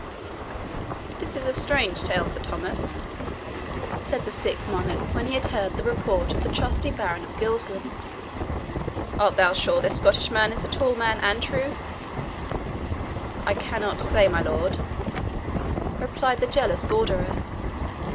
"This is a strange tale, Sir Thomas," said the sick monarch, when he had heard the report of the trusty Baron of Gilsland. "Art thou sure this Scottish man is a tall man and true?" "I cannot say, my lord," replied the jealous Borderer.